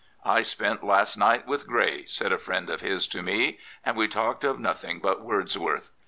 I spent last night with Grey, said a friend of his to me, " and we talked of nothing but Wordsworth.